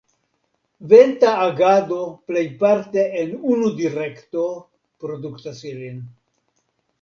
Venta agado plejparte en unu direkto produktas ilin.